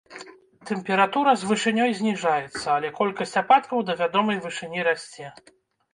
Тэмпература з вышынёй зніжаецца, але колькасць ападкаў да вядомай вышыні расце.